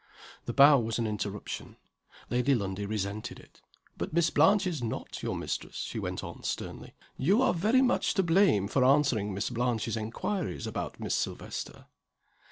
The bow was an interruption. Lady Lundie resented it. "But Miss Blanche is not your mistress," she went on, sternly. "You are very much to blame for answering Miss Blanche's inquiries about Miss Silvester."